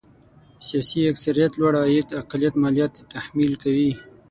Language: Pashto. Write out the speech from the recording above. سیاسي اکثريت لوړ عاید اقلیت ماليات تحمیل کوي.